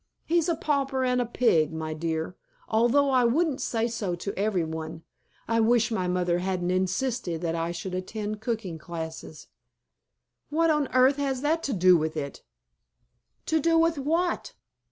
"He's a pauper and a pig, my dear, although I wouldn't say so to every one. I wish my mother hadn't insisted that I should attend cooking classes." "What on earth has that to do with it?" "To do with what?"